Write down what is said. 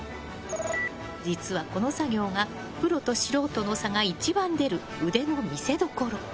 実はこの作業がプロと素人の差が一番出る腕の見せ所。